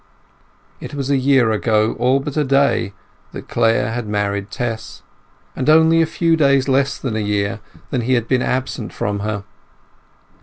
It was a year ago, all but a day, that Clare had married Tess, and only a few days less than a year that he had been absent from her.